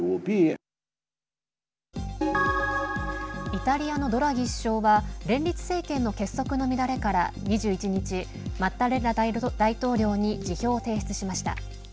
イタリアのドラギ首相は連立政権の結束の乱れから２１日マッタレッラ大統領に辞表を提出しました。